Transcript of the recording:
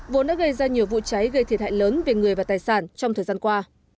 vốn đã gây ra nhiều vụ cháy gây thiệt hại lớn về người và tài sản trong thời gian qua